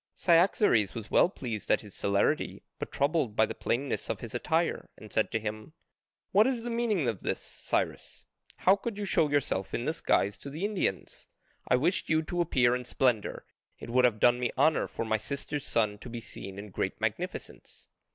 Cyaxares was well pleased at his celerity, but troubled by the plainness of his attire, and said to him, "What is the meaning of this, Cyrus? How could you show yourself in this guise to the Indians? I wished you to appear in splendour: it would have done me honour for my sister's son to be seen in great magnificence."